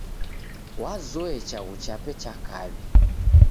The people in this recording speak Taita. Wazoye chaghu chape cha kaw'i.